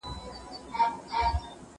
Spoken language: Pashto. د دين په چارو کي جبر او زور نسته.